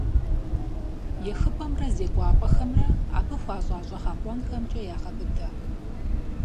ЕхыпӀэмрэ зекӀуапӀэхэмрэ абы хуэщӀа щӀэгъэкъуэнхэмкӀэ ягъэбыдэ.